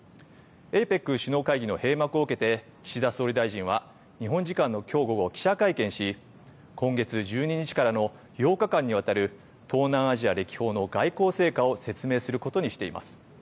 ＡＰＥＣ首脳会議の閉幕を受けて岸田総理大臣は日本時間のきょう午後記者会見し今月１２日からの８日間にわたる東南アジア歴訪の外交成果を説明することにしています。